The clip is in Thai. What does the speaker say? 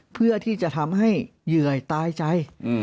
เพื่อที่จะทำให้เหยื่อยตายใจ